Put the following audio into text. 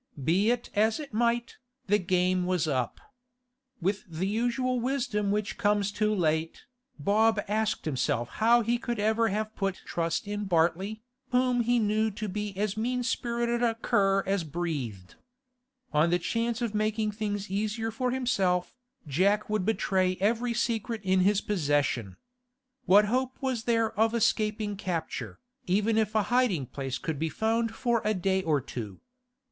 Be it as it might, the game was up. With the usual wisdom which comes too late, Bob asked himself how he could ever have put trust in Bartley, whom he knew to be as mean spirited a cur as breathed. On the chance of making things easier for himself, Jack would betray every secret in his possession. What hope was there of escaping capture, even if a hiding place could be found for a day or two?